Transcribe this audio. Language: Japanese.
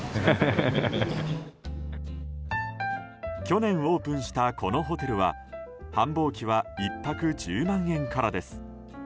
去年オープンしたこのホテルは繁忙期は１泊１０万円からです。